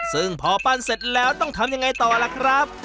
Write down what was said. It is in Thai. ซึ่งพอปั้นเสร็จแล้วต้องทำยังไงต่อล่ะครับ